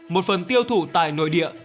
một phần tiêu thụ tại nội địa